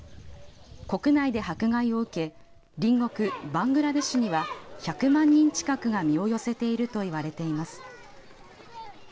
国内で迫害を受け隣国バングラデシュには１００万人近くが身を寄せているといわれています。